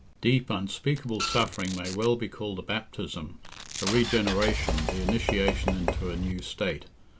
Deep unspeakable suffering may well be called a baptism, a regeneration, the initiation into a new state.